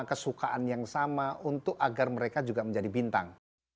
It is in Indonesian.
kesukaan yang sama untuk agar mereka juga menjadi bintang